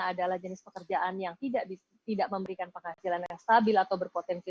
adalah jenis pekerjaan yang tidak memberikan penghasilan yang stabil atau berpotensi